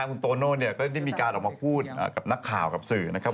คุณโตนโณ่มีการคุยกับแนะเป็นวันข่าวกับหน้าข่าวกับสื่อนะครับ